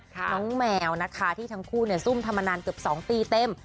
น้องแมวนะคะที่ทั้งคู่ซุ่มทำมานานเกือบ๒ปีเต็ม